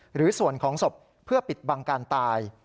หรือส่วนของศพเพื่อปิดบังการตาย